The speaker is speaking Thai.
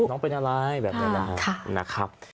น้องเป็นอะไรแบบนี้นะครับ